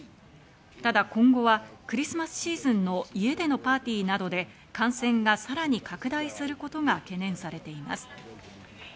ただ今後はクリスマスシーズンの家でのパーティーなどで感染がさらに拡大することが懸念されています。